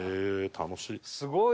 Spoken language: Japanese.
楽しい！